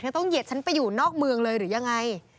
ต้องเหยียดฉันไปอยู่นอกเมืองเลยหรือยังไง